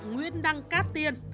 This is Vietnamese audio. nguyễn đăng cát tiên